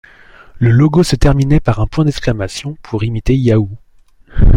Le logo se terminait par un point d'exclamation, pour imiter Yahoo!.